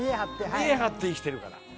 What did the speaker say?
見え張って生きてるから。